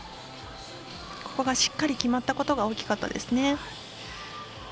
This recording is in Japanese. ここがしっかり決まったことが大きかったですね。